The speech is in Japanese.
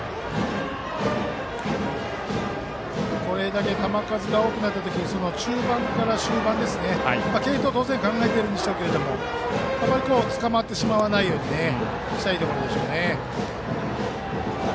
これだけ球数が多くなった時中盤から終盤、継投は当然考えているでしょうけどつかまってしまわないようにしたいところですね。